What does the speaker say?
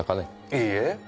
いいえ。